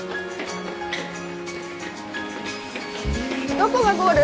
どこがゴール？